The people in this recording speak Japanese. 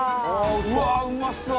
「うわーうまそう！